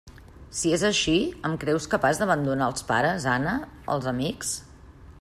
Si és així, em creus capaç d'abandonar els pares, Anna, els amics...?